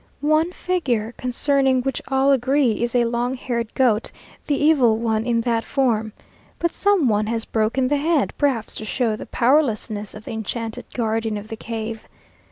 One figure, concerning which all agree, is a long haired goat, the Evil One in that form. But some one has broken the head, perhaps to show the powerlessness of the enchanted guardian of the cave.